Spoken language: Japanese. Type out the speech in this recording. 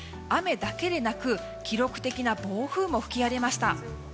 雨だけでなく、記録的な暴風も吹き荒れました。